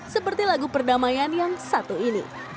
seperti lagu perdamaian yang satu ini